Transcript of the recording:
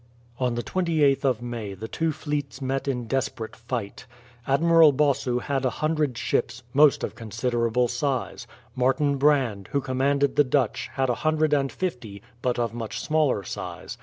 On the 28th of May the two fleets met in desperate fight. Admiral Bossu had a hundred ships, most of considerable size. Martin Brand, who commanded the Dutch, had a hundred and fifty, but of much smaller size.